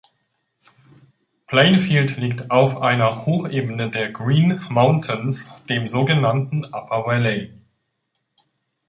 Plainfield liegt auf einer Hochebene der Green Mountains, dem sogenannten "Upper Valley".